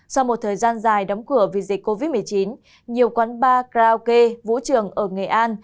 sau một thời gian dài đóng cửa vì dịch covid một mươi chín nhiều quán bar karaoke vũ trường ở nghệ an